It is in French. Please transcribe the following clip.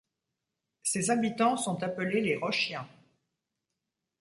Ses habitants sont appelés les Rochiens.